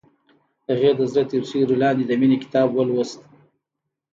هغې د زړه تر سیوري لاندې د مینې کتاب ولوست.